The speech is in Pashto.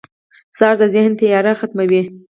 سهار د ذهن تیاره ختموي.